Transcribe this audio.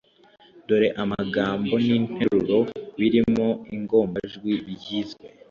dore amagambo n’interuro birimo ingombajwi byizwe.